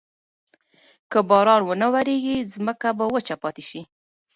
که باران ونه وریږي، ځمکه به وچه پاتې شي.